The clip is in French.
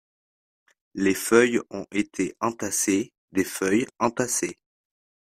Les feuilles ont été entassés, des feuilles entassés.